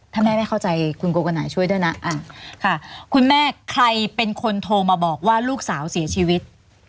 ถ้าแม่ไม่เข้าใจคุณโกกระไหนช่วยด้วยนะค่ะคุณแม่ใครเป็นคนโทรมาบอกว่าลูกสาวเสียชีวิต